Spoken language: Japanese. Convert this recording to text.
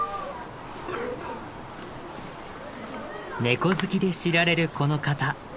ネコ好きで知られるこの方。